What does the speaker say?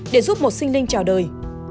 để giúp một sinh linh chào đời